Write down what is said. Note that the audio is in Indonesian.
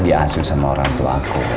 diasur sama orang tuaku